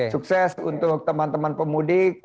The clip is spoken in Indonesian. sukses untuk teman teman pemudik